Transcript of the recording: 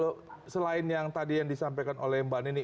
kalau selain yang tadi yang disampaikan oleh mbak nini